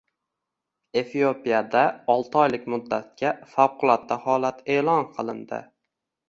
Efiopiyada olti oylik muddatga favqulodda holat e’lon qilindi